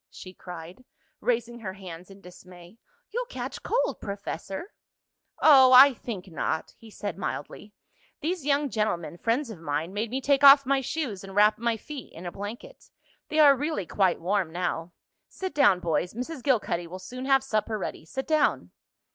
she cried, raising her hands in dismay. "You'll catch cold, Professor." "Oh, I think not," he said mildly. "These young gentlemen, friends of mine, made me take off my shoes and wrap my feet in a blanket. They are really quite warm now. Sit down, boys. Mrs. Gilcuddy will soon have supper ready. Sit down."